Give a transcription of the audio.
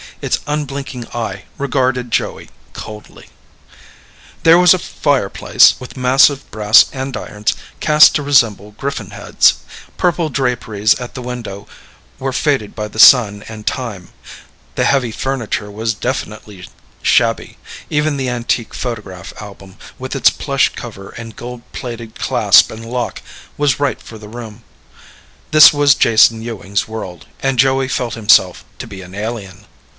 Its unblinking eye regarded Joey coldly. There was a fireplace, with massive brass andirons cast to resemble griffon heads; purple draperies at the window were faded by sun and time; the heavy furniture was defiantly shabby; even the antique photograph album with its plush cover and gold plated clasp and lock was right for the room. This was Jason Ewing's world and Joey felt himself to be an alien.